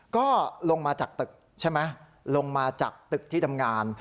ก็ลงมาจากตึกใช่ไหมลงมาจากตึกที่ทำงาน